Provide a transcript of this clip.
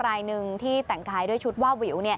รายหนึ่งที่แต่งกายด้วยชุดว่าวิว